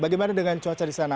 bagaimana dengan cuaca di sana